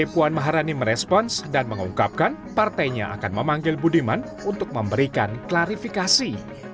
puan maharani merespons dan mengungkapkan partainya akan memanggil budiman untuk memberikan klarifikasi